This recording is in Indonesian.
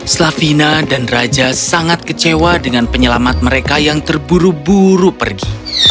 slavina dan raja sangat kecewa dengan penyelamat mereka yang terburu buru pergi